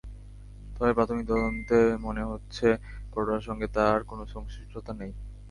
তবে প্রাথমিক তদন্তে মনে হচ্ছে, ঘটনার সঙ্গে তাঁর কোনো সংশ্লিষ্টতা নেই।